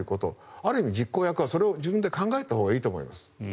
ある意味、実行役は自分でそれを考えたほうがいいと思います。